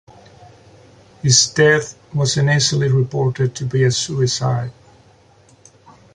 His death was initially reported to be a suicide.